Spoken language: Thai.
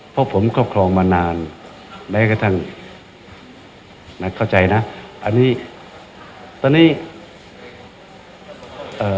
เพราะผมครอบครองมานานแม้กระทั่งนะเข้าใจนะอันนี้ตอนนี้เอ่อ